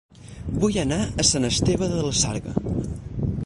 Vull anar a Sant Esteve de la Sarga